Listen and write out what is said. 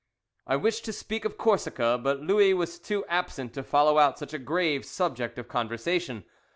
I wished to speak of Corsica, but Louis was too absent to follow out such a grave subject of conversation.